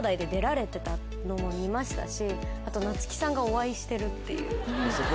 あと夏木さんがお会いしてるっていう。